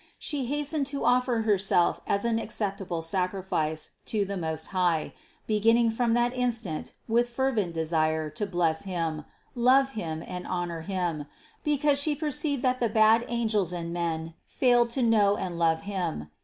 She hastened to offer Herself as an acceptable sacrifice to the Most High, beginning from that instant with fer vent desire to bless Him, love Him and honor Him, be cause She perceived that the bad angels and men failed to know and love Him.